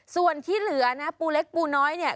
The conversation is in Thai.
ส่วนที่เหลือนะปูเล็กปูน้อยเนี่ย